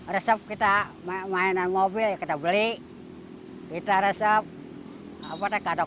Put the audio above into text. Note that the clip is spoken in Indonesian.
resep kita mainan mobil kita beli kita resep apa teka dokteran kita beli itu perih lapar sudah menjadi